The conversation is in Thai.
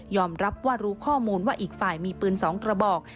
รับว่ารู้ข้อมูลว่าอีกฝ่ายมีปืน๒กระบอก